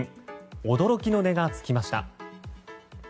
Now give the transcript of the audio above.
驚きの値が付きました。